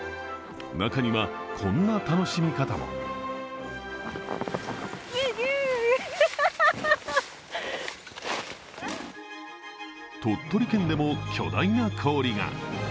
中には、こんな楽しみ方も鳥取県でも巨大な氷が。